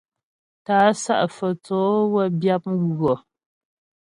Tá'a Sá'a Fə́tsǒ wə́ byǎp mghʉɔ.